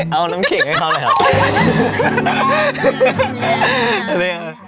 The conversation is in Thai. เอาน้ำเข้นให้เข้าเลยหรอ